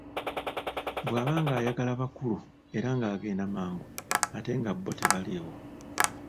Bwaba ng'ayagala bakulu era ng'agenda mangu ate nga nabo tebaliwo.